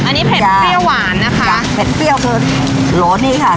อันนี้เผ็ดเปรี้ยวหวานนะคะเผ็ดเปรี้ยวคือโรสนี่ค่ะ